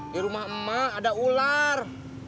di rumah emak ada ular